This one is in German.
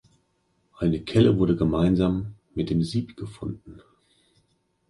Eine Kelle wurde gemeinsam mit dem Sieb gefunden.